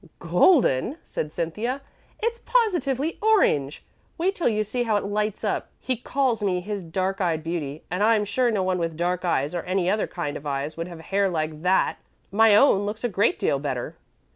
"Golden!" said Cynthia. "It's positively orange. Wait till you see how it lights up. He calls me his dark eyed beauty: and I'm sure no one with dark eyes, or any other kind of eyes, would have hair like that. My own looks a great deal better."